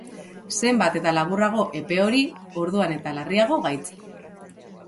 Zenbat eta laburrago epe hori, orduan eta larriago gaitza.